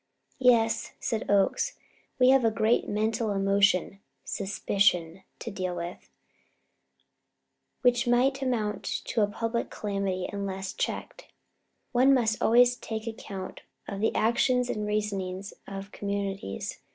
"Yes," said Oakes, "we have here a great mental emotion suspicion to deal with, which may amount to a public calamity unless checked. One must always take account of the actions and reasonings of communities.